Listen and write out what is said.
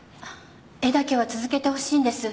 絵だけは続けてほしいんです。